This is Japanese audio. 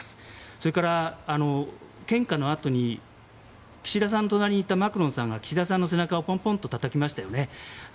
それから、献花のあとに岸田さんの隣にいたマクロンさんが岸田さんの背中をポンポンとたたきましたよね。